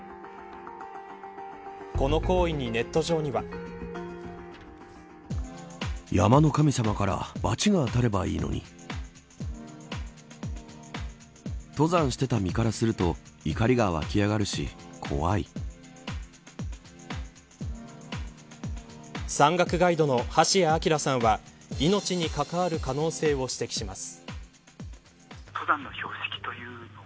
この行為にネット上には。山岳ガイドの橋谷晃さんは命に関わる可能性を指摘します。